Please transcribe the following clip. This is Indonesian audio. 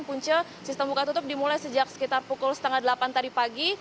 dan puncia sistem buka tutup dimulai sejak sekitar pukul setengah delapan tadi pagi